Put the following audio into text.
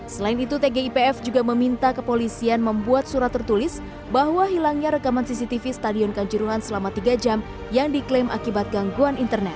selain itu tgipf juga meminta kepolisian membuat surat tertulis bahwa hilangnya rekaman cctv stadion kanjuruhan selama tiga jam yang diklaim akibat gangguan internet